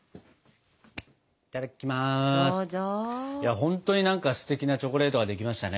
本当に何かステキなチョコレートができましたね。